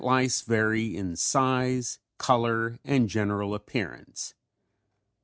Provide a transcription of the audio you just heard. ] Plant lice vary in size, color and general appearance.